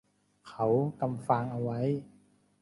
เขากำฟางเอาไว้